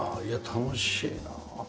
いや楽しいな。